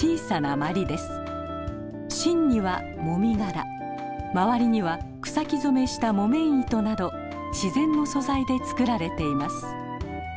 芯にはもみ殻周りには草木染めした木綿糸など自然の素材で作られています。